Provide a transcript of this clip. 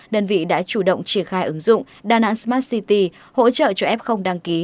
đơn vị đã chủ động triển khai ứng dụng đà nẵng smart city hỗ trợ cho f đăng ký